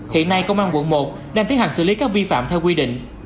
hiện nay công an quận một đang tiến hành xử lý các vi phạm theo quy định